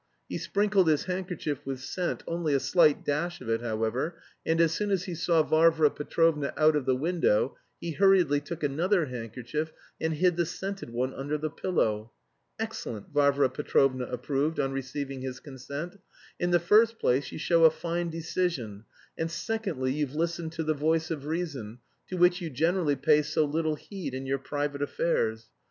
He sprinkled his handkerchief with scent, only a slight dash of it, however, and as soon as he saw Varvara Petrovna out of the window he hurriedly took another handkerchief and hid the scented one under the pillow. "Excellent!" Varvara Petrovna approved, on receiving his consent. "In the first place you show a fine decision, and secondly you've listened to the voice of reason, to which you generally pay so little heed in your private affairs.